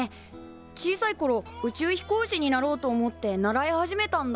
小さいころ宇宙飛行士になろうと思って習い始めたんだ。